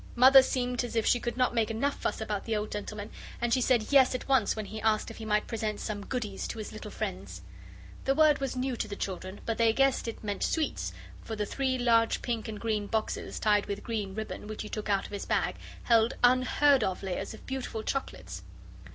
Mother seemed as if she could not make enough fuss about the old gentleman, and she said yes at once when he asked if he might present some "goodies" to his little friends. The word was new to the children but they guessed that it meant sweets, for the three large pink and green boxes, tied with green ribbon, which he took out of his bag, held unheard of layers of beautiful chocolates.